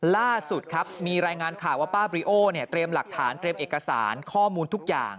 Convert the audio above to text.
ล่าสุดครับมีรายงานข่าวว่าป้าบริโอเนี่ยเตรียมหลักฐานเตรียมเอกสารข้อมูลทุกอย่าง